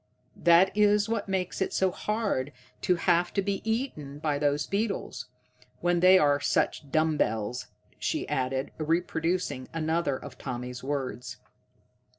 That is what makes it so hard to have to be eaten by those beetles, when they are such dumb bells," she added, reproducing another of Tommy's words.